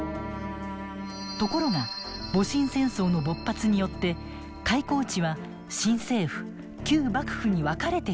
ところが戊辰戦争の勃発によって開港地は新政府旧幕府に分かれて支配されます。